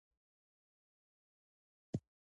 ولسمشر باید د ولس درد درک کړي.